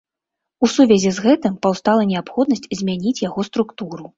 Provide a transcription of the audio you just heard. У сувязі з гэтым паўстала неабходнасць змяніць яго структуру.